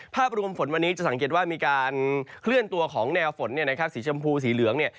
ภาพรวมฝนวันนี้จะสังเกตว่ามีการเคลื่อนตัวของแนวฝนสีชมพูสีเหลือง